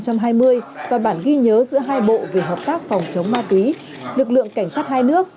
và bản ghi nhớ giữa hai bộ về hợp tác phòng chống ma túy lực lượng cảnh sát hai nước